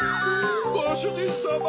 ごしゅじんさま！